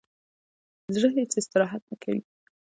زړه هیڅ استراحت نه کوي.